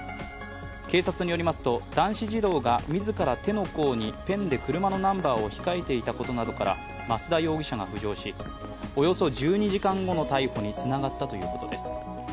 警察によりますと、男子児童が自ら手の甲にペンで車のナンバーを控えていたことなどから増田容疑者が浮上し、およそ１２時間後の逮捕につながったということです。